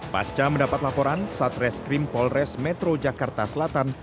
pasca mendapat laporan saat reskrim polres metro jakarta selatan